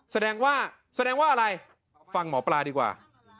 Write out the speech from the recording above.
แสดงว่าแสดงว่าอะไรฟังหมอปลาดีกว่า